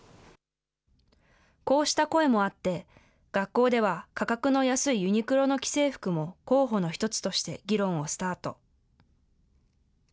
こうした声もあって、学校では価格の安いユニクロの既製服も候補の一つとして議論をスタート。